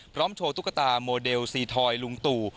โชว์ตุ๊กตาโมเดลซีทอยลุงตู่